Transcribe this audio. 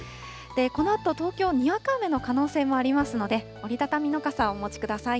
このあと東京、にわか雨の可能性もありますので、折り畳みの傘をお持ちください。